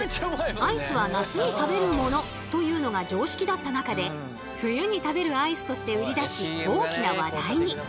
「アイスは夏に食べるもの」というのが常識だった中で「冬に食べるアイス」として売り出し大きな話題に。